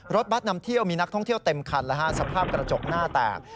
รถบัตรนำเที่ยวมีนักท่องเที่ยวเต็มคันสภาพกระจกหน้าแตก